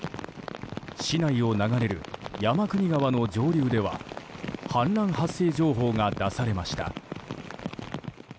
市内を流れる山国川の上流では氾濫発生情報が出されました。